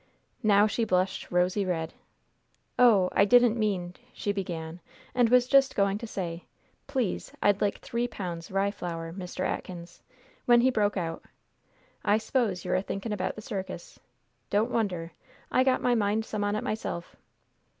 Now she blushed rosy red. "Oh, I didn't mean " she began, and was just going to say, "Please, I'd like three pounds rye flour, Mr. Atkins," when he broke out, "I s'pose you're athinkin' about the circus don't wonder I got my mind some on it myself."